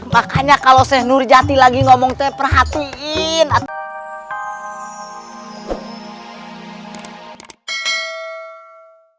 makanya kalau saya nur jati lagi ngomong teper hatiin atuh